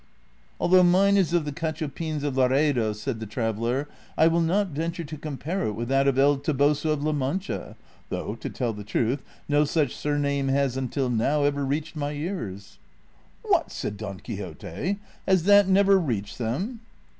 '" Although mine is of the Cachopins of Laredo," ^ said the traveller, " I will not venture to compare it with that of El Toboso of La Mancha, though, to tell the truth, no such surname has until now ever reached my ears." " What !" said Don Quixote, " has that never reached them